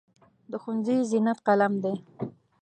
د ښوونځي زینت قلم دی.